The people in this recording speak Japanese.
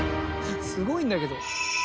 すごいんだけど。